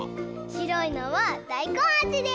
しろいのはだいこんあじです！